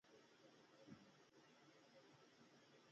خپلواک هم په موزیلا کامن وایس کې د پښتو لپاره غږونه ثبتوي